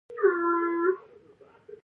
ستا د خوښې رنګ کوم دی؟